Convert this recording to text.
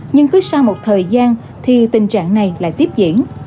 nhưng cứ sau một thời gian thì tình trạng này lại tiếp diễn